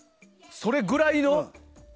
それぐらいの？